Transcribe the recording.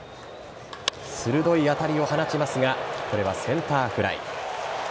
鋭い当たりを放ちますがこれはセンターフライ。